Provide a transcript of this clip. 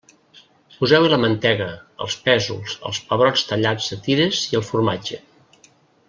Poseu-hi la mantega, els pèsols, els pebrots tallats a tires i el formatge.